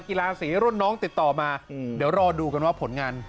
กีฬาสีรุ่นน้องติดต่อมาเดี๋ยวรอดูกันว่าผลงาน